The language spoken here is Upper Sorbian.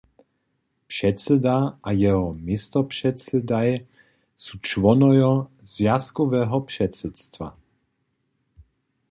Předsyda a jeho městopředsydaj su čłonojo zwjazkoweho předsydstwa.